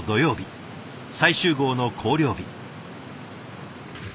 最終号の校了日。